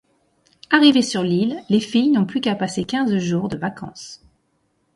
Arrivées sur l'île, les filles n'ont plus qu'à passer quinze jours de vacances.